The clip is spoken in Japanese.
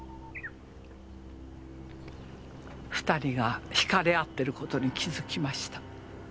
２人が引かれ合ってる事に気づきました。